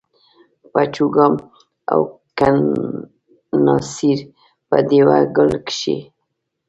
په چوګام او کڼاسېر په دېوه ګل کښي